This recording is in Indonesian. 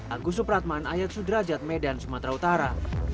agus supratman ayat sudrajat medan sumatera utara